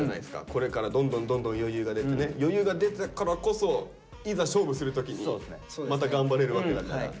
これからどんどんどんどん余裕が出てね余裕が出たからこそいざ勝負する時にまた頑張れるわけだから。